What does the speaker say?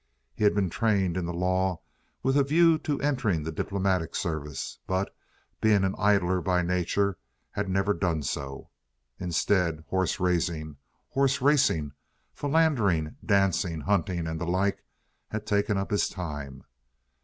He had been trained in the law with a view to entering the diplomatic service, but, being an idler by nature, had never done so. Instead, horse raising, horse racing, philandering, dancing, hunting, and the like, had taken up his time.